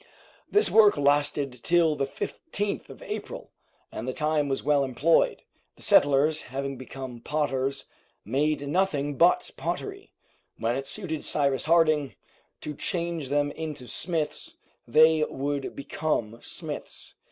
This work lasted till the 15th of April, and the time was well employed. The settlers, having become potters, made nothing but pottery. When it suited Cyrus Harding to change them into smiths, they would become smiths.